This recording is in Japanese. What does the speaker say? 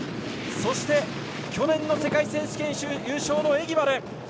そして、去年の世界選手権優勝のエギバル。